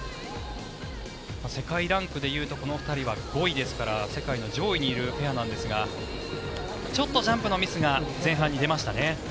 世界ランクでいうとこの２人は５位ですから世界の上位にいるペアなんですがちょっとジャンプのミスが前半に出ましたね。